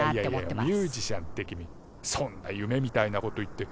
いやいやいやミュージシャンって君そんな夢みたいなこと言って。